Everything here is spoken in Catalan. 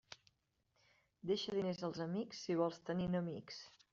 Deixa diners als amics si vols tenir enemics.